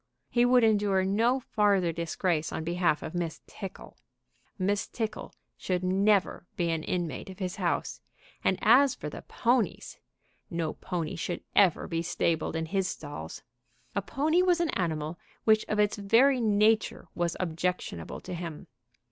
He would endure no farther disgrace on behalf of Miss Tickle. Miss Tickle should never be an inmate of his house, and as for the ponies, no pony should ever be stabled in his stalls. A pony was an animal which of its very nature was objectionable to him.